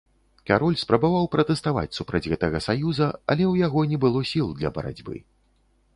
Кароль спрабаваў пратэставаць супраць гэтага саюза, але ў яго не было сіл для барацьбы.